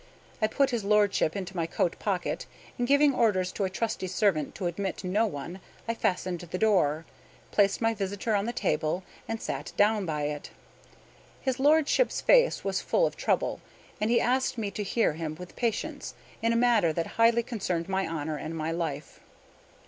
I put his lordship into my coat pocket, and, giving orders to a trusty servant to admit no one, I fastened the door, placed my visitor on the table, and sat down by it. His lordship's face was full of trouble; and he asked me to hear him with patience, in a matter that highly concerned my honor and my life.